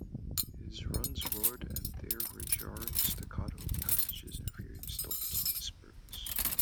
His runs roared, and there were jarring staccato passages and furious double-time spurts.